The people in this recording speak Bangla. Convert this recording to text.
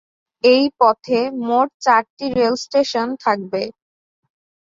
এই পথে মোট চারটি রেল স্টেশন থাকবে।